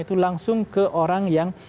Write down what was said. itu langsung ke orang yang